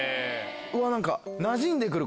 うわ何かなじんで来る